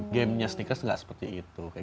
gamenya sneakers gak seperti itu